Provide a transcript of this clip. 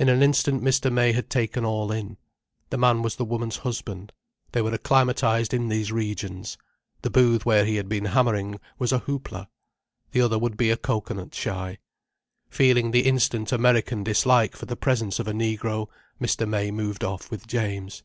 In an instant Mr. May had taken all in: the man was the woman's husband—they were acclimatized in these regions: the booth where he had been hammering was a Hoop La. The other would be a cocoanut shy. Feeling the instant American dislike for the presence of a negro, Mr. May moved off with James.